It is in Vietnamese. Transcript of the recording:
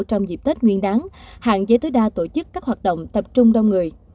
trong dịp tết nguyên đáng hạn chế tối đa tổ chức các hoạt động tập trung đông người